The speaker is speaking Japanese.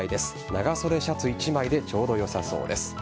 長袖シャツ１枚でちょうどよさそうです。